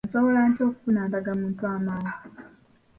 Nsobola ntya okufuna ndagamuntu amangu?